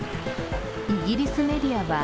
イギリスメディアは